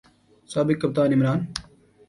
سابق کپتان عمران